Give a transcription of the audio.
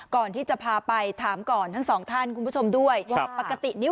ก่อนที่จะพาไปถามก่อนทั้งสองท่านคุณผู้ชมด้วยว่าปกตินิ้ว